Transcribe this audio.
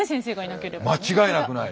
間違いなくない。